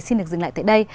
xin được dừng lại tại đây